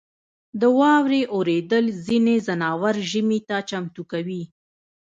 • د واورې اورېدل ځینې ځناور ژمي ته چمتو کوي.